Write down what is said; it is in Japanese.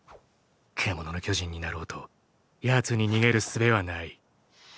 「獣の巨人」になろうと奴に逃げる術はない。